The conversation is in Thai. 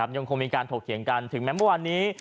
ยังคงมีการถกเขียงกันถึงแม้วันนี้